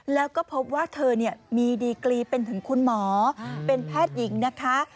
แล้วก็พบว่าเธอมีดีกรีเป็นถึงคุณหมอเป็นแพทย์หญิงนะคะ